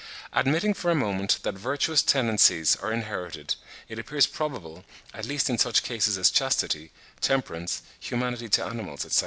Admitting for a moment that virtuous tendencies are inherited, it appears probable, at least in such cases as chastity, temperance, humanity to animals, etc.